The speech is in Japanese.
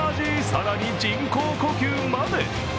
更に人工呼吸まで。